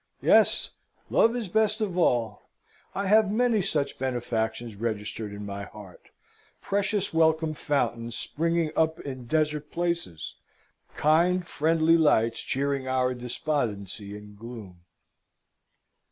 Yes, Love is best of all. I have many such benefactions registered in my heart precious welcome fountains springing up in desert places, kind, friendly lights cheering our despondency and gloom.